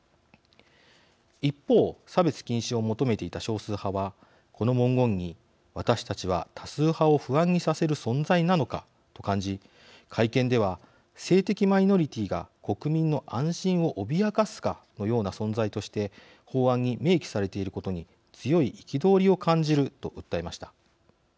一方、差別禁止を求めていた少数派は、この文言に私たちは多数派を不安にさせる存在なのかと感じ会見では性的マイノリティーが国民の安心を脅かすかのような存在として法案に明記されていることに強い憤りを感じると訴えました。